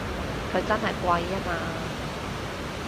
佢真係貴吖嘛！